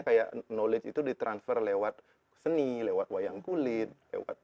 knowledge itu di transfer lewat seni lewat wayang kulit